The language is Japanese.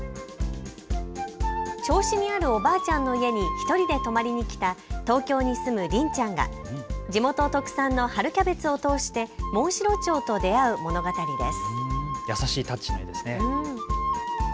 銚子にあるおばあちゃんの家に１人で泊まりにきた東京に住むりんちゃんが地元特産の春キャベツを通してモンシロチョウと出会う物語です。